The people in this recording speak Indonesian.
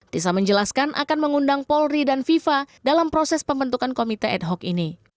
tisa menjelaskan akan mengundang polri dan fifa dalam proses pembentukan komite ad hoc ini